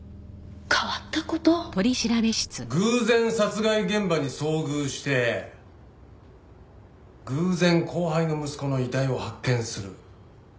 偶然殺害現場に遭遇して偶然後輩の息子の遺体を発見する。